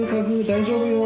大丈夫よ。